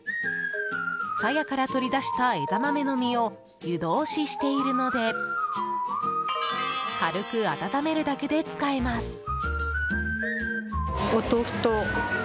さやから取り出した枝豆の実を湯通ししているので軽く温めるだけで使えます。